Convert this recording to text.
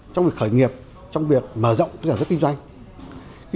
trong việc khởi nghiệp trong việc mở rộng giả dứt kinh doanh